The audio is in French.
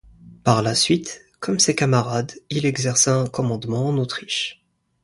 Par la suite, comme ses camarades, il exerça un commandement en Autriche.